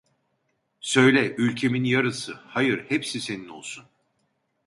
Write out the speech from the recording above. Söyle, ülkemin yarısı, hayır, hepsi senin olsun!